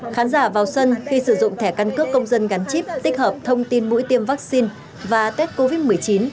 khán giả vào sân khi sử dụng thẻ căn cước công dân gắn chip tích hợp thông tin mũi tiêm vaccine và tết covid một mươi chín